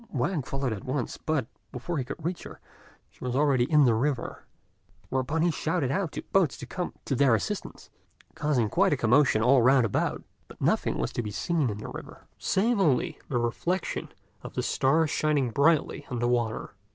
Wang followed at once, but, before he could reach her, she was already in the river; whereupon he shouted out to boats to come to their assistance, causing quite a commotion all round about; but nothing was to be seen in the river, save only the reflection of the stars shining brightly on the water.